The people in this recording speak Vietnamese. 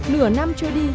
nửa năm chưa đi